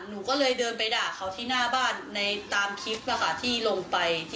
หนูก็เลยเดินไปด่าเขาที่หน้าบ้านในตามคลิปนะคะที่ลงไป